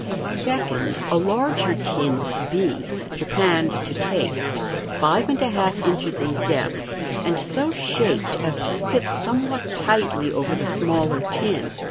Second, a larger tin b, japanned to taste, five and a half inches in depth, and so shaped as to fit somewhat tightly over the smaller tin.